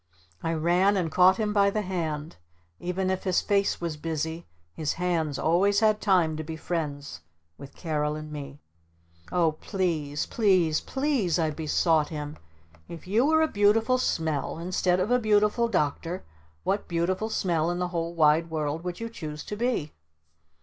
I ran and caught him by the hand. Even if his face was busy his hands always had time to be friends with Carol and me. "Oh please please please," I besought him. "If you were a Beautiful Smell instead of a Beautiful Doctor, what Beautiful Smell in the whole wide world would you choose to be?"